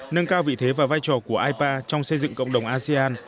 nâng cao vị thế và vai trò của ipa trong xây dựng cộng đồng asean